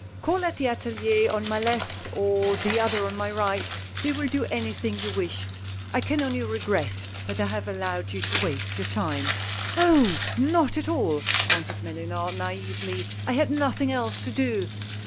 Call at the atSlier on my left, or the other on my right, they will do anything you wish — I can only regret that I have allowed you to waste your time." " Oh ! not at all," answered Mellunard, naively, " I had nothing else to do."